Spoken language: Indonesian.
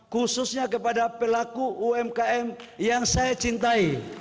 khususnya kepada pelaku umkm yang saya cintai